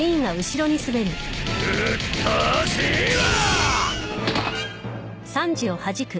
うっとうしいわ！